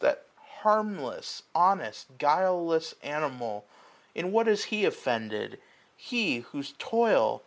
That harmless, honest, guileless animal. In what has he offended ? he, whose toil.